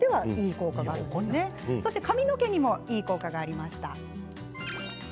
髪の毛へもいい効果がありました。